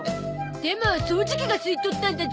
でもそうじ機が吸い取ったんだゾ。